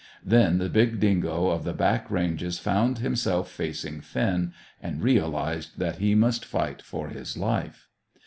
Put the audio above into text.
Then the big dingo of the back ranges found himself facing Finn, and realized that he must fight for his life.